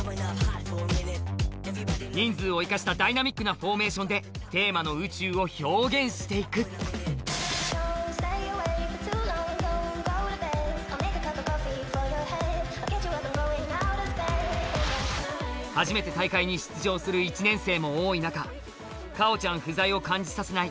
人数を生かしたダイナミックなフォーメーションでテーマの「宇宙」を表現して行く初めて大会に出場する１年生も多い中かおちゃん不在を感じさせない